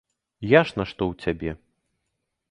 Я ж нашто ў цябе?